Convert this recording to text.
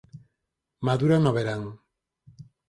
Madura no verán.